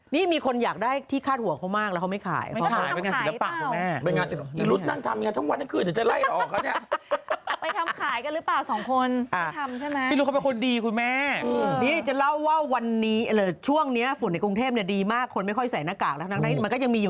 นี่มีคนอยากได้ที่คาดหัวเขามากแล้วเขาไม่ขาย